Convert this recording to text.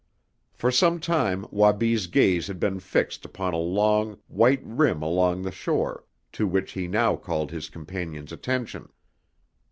For some time Wabi's gaze had been fixed upon a long, white rim along the shore, to which he now called his companions' attention.